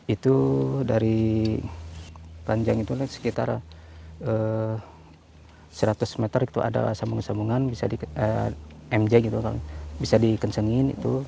itu dari panjang itu sekitar seratus meter itu ada sembungan sembungan bisa dikensangin itu